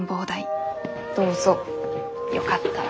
どうぞよかったら。